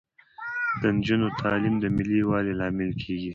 د نجونو تعلیم د ملي یووالي لامل کیږي.